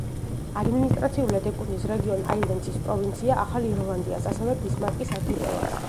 ადმინისტრაციულად ეკუთვნის რეგიონ აილენდსის პროვინცია ახალ ირლანდიას, ასევე ბისმარკის არქიპელაგს.